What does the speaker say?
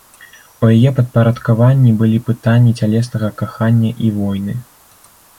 У яе падпарадкаванні былі пытанні цялеснага кахання і войны.